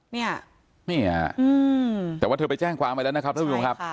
เนี่ยแต่ว่าเธอไปแจ้งความไปแล้วนะครับท่านผู้ชมครับ